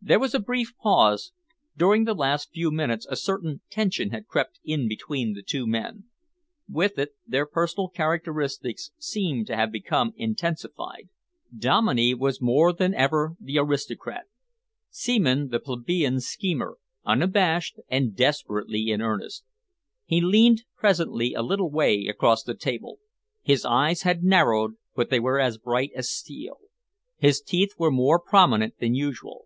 There was a brief pause. During the last few minutes a certain tension had crept in between the two men. With it, their personal characteristics seemed to have become intensified. Dominey was more than ever the aristocrat; Seaman the plebian schemer, unabashed and desperately in earnest. He leaned presently a little way across the table. His eyes had narrowed but they were as bright as steel. His teeth were more prominent than usual.